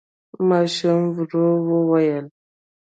ماشوم ورو وويل: